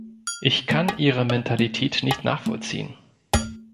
Ich kann Ihre Mentalität nicht nachvollziehen.